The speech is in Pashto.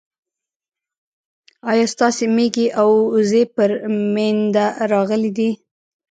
ايا ستاسي ميږي او وزې پر مينده راغلې دي